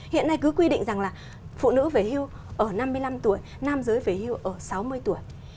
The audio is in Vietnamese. hiện nay cứ quy định rằng là phụ nữ về hưu ở năm mươi năm tuổi nam giới về hưu ở sáu mươi tuổi